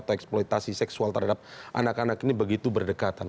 atau eksploitasi seksual terhadap anak anak ini begitu berdekatan